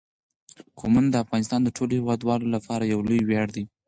قومونه د افغانستان د ټولو هیوادوالو لپاره یو لوی ویاړ دی.